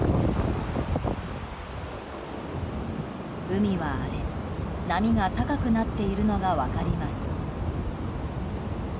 海は荒れ、波が高くなっているのが分かります。